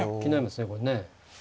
これね。